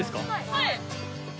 はい。